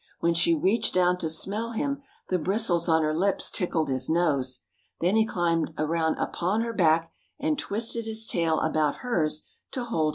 When she reached down to smell him the bristles on her lips tickled his nose. Then he climbed around upon her back and twisted his tail about hers to hold him steady.